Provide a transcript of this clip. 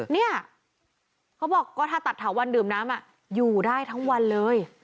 เนี่ยเขาบอกก็ถ้าตัดถาวันดื่มน้ำอยู่ได้ทั้งวันเลย